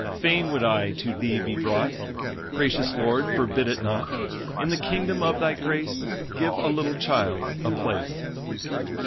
Fain would I to Thee be brought, Gracious Lord, forbid it not; In the Kingdom of Thy grace Give a little child a place."